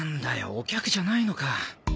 お客じゃないのか